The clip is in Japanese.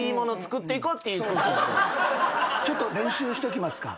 ちょっと練習しときますか。